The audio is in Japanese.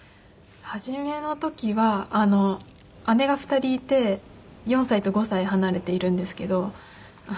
初めの時は姉が２人いて４歳と５歳離れているんですけど。